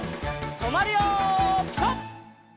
とまるよピタ！